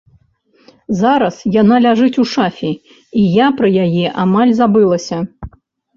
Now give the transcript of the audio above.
Зараз яна ляжыць у шафе, і я пра яе амаль забылася.